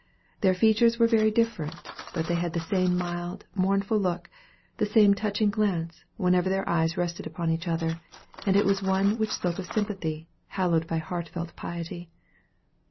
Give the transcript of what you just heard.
Their features were very different, but they had the same mild, mournful look, the same touching glance, whenever their eyes rested upon each other; and it was one which spoke of sympathy, hallowed by heartfelt piety.